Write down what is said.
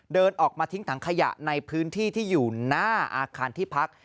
เดินออกมาทิ้งถังขยะในพื้นที่ที่อยู่หน้าอาคารที่พัก